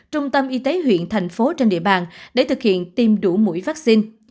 trung tâm y tế huyện thành phố trên địa bàn để thực hiện tiêm đủ mũi vaccine